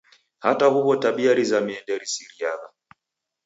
Hata huw'o tabia rizamie nderisiriagha.